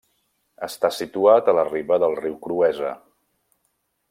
Està situat a la riba del riu Cruesa.